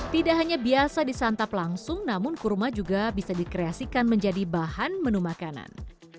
tidak hanya biasa disantap langsung namun kurma juga bisa dikreasikan menjadi bahan menu makanan